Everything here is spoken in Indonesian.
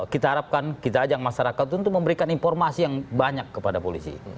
kita harapkan kita ajak masyarakat untuk memberikan informasi yang banyak kepada polisi